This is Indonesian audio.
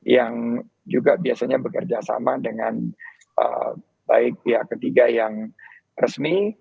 yang juga biasanya bekerja sama dengan baik pihak ketiga yang resmi